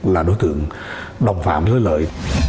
là đối tượng đồng phạm với lợi